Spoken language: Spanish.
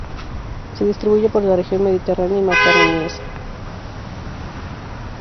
Se distribuye por la región mediterránea y Macaronesia.